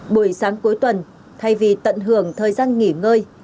buổi sáng cuối tuần thay vì tận hưởng thời gian nghỉ ngơi